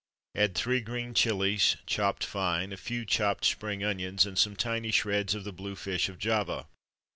Add three green chilies, chopped fine, a few chopped spring onions, and some tiny shreds of the Blue Fish of Java.